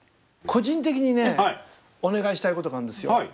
個人的にねお願いしたいことがあるんですよ